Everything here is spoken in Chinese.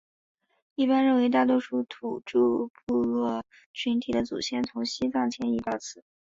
一般认为大多数土着部落群体的祖先从西藏迁移到此。